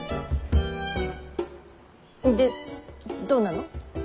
でどうなの。